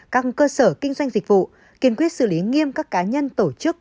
các cơ sở kinh doanh dịch vụ kiên quyết xử lý nghiêm các cá nhân tổ chức